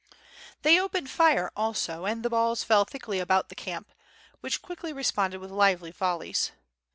They opened fire also and the balls fell thickly about the camp, which quickly responded with lively yolle3's.